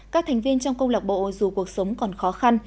các thành viên trong câu lạc bộ dù cuộc sống còn khó khăn